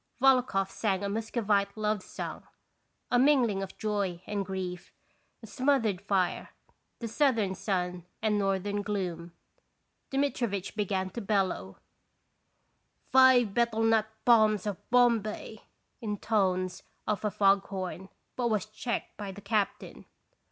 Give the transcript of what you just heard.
Volokhoff sang a Muscovite love song, a mingling of joy and grief; a smothered fire, the southern sun and northern gloom. Dmitrivitch began to bellow :" Five betel nut palms of Bombay," intones of a fog horn, but was checked by the captain.